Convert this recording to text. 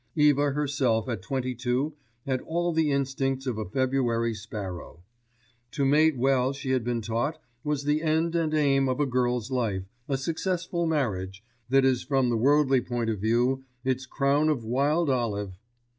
Eva herself at twenty two had all the instincts of a February sparrow. To mate well she had been taught was the end and aim of a girl's life, a successful marriage, that is from the worldly point of view, its crown of wild olive.